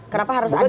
kenapa harus ada